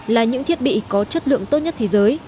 là những thiết bị có chất lượng tốt nhất thế giới